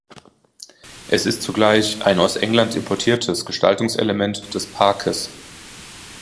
Es ist zugleich ein aus England importiertes Gestaltungselement des Parkes.